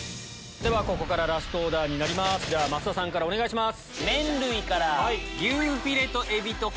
ここからラストオーダーになります増田さんからお願いします。